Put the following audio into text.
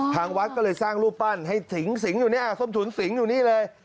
ทางวัดก็เลยสร้างรูปปั้นให้สิงอยู่เนี่ยส้มถุนสิงอยู่นี่เลย